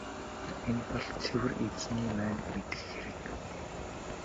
Энэ бол цэвэр Эзэний маань мэдэх хэрэг.